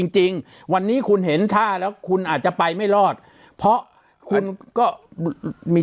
จริงวันนี้คุณเห็นท่าแล้วคุณอาจจะไปไม่รอดเพราะคุณก็มี